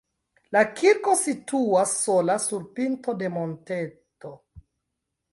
La kirko situas sola sur pinto de monteto.